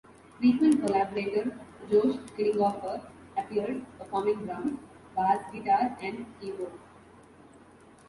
Frequent collaborator Josh Klinghoffer appears, performing drums, bass, guitar, and keyboard.